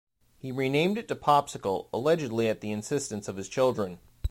He renamed it to Popsicle, allegedly at the insistence of his children.